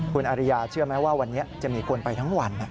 คุณอริยาเชื่อไหมว่าวันนี้จะมีคนไปทั้งวัน